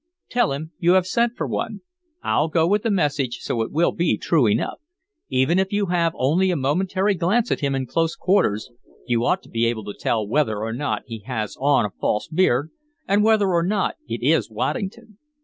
"Tell him you have sent for one. I'll go with the message, so it will be true enough. Even if you have only a momentary glance at him in close quarters you ought to be able to tell whether or not he has on a false beard, and whether or not it is Waddington."